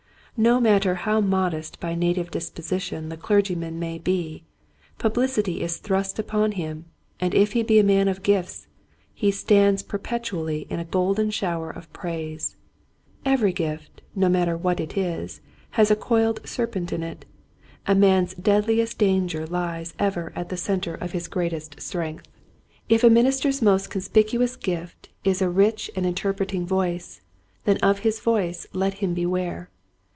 No matter how modest by native disposition the clergyman may be, publicity is thrust upon him, and if he be a man of gifts he stands perpetually in a golden shower of praise. Every gift, no matter what it is, has a coiled serpent it. A man's deadliest dan ger lies ever at the center of his greatest Vanity. 127 strength. If a minister's most conspicu ous gift is a rich and interpreting voice, then of his voice let him beware.